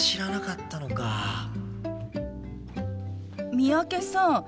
三宅さん